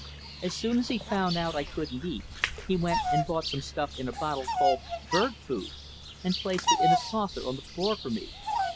As soon as he found I couldn't eat, he went and bought some stuff in a bottle called "bird food," and placed it in a saucer on the floor for me.